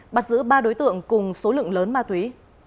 bắt giữ ba đối tượng cùng số lượng lớn ma túy